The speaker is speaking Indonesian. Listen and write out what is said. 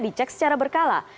dicek secara berkala